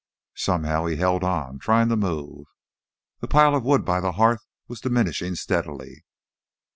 Somehow he held on, trying to move. The pile of wood by the hearth was diminishing steadily.